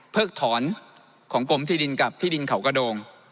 ถอนของกรมที่ดินกับที่ดินเขากระโดง